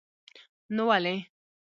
نو ولې.